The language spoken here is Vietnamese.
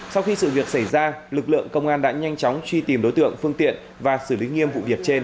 sau khi sự việc xảy ra lực lượng công an đã nhanh chóng truy tìm đối tượng phương tiện và xử lý nghiêm vụ việc trên